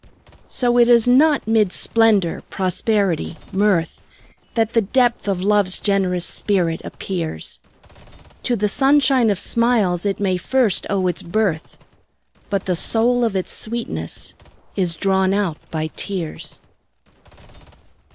So it is not mid splendor, prosperity, mirth, That the depth of Love's generous spirit appears; To the sunshine of smiles it may first owe its birth, But the soul of its sweetness is drawn out by tears.